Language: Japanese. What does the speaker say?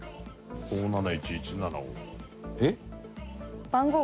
５７１１７５。